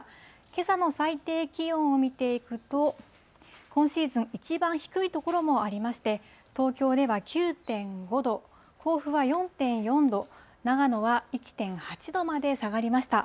けさの最低気温を見ていくと、今シーズン一番低い所もありまして、東京では９．５度、甲府は４．４度、長野は１．８度まで下がりました。